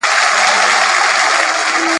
دواړه خواوي باید له یو بل سره صادق وي.